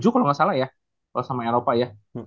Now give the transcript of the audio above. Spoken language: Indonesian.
kalau nggak salah ya kalau sama eropa ya